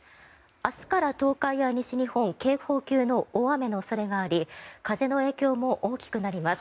明日から東海や西日本警報級の大雨の恐れがあり風の影響も大きくなります。